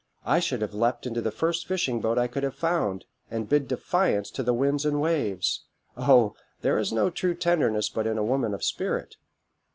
I should have leapt into the first fishing boat I could have found, and bid defiance to the winds and waves. Oh! there is no true tenderness but in a woman of spirit.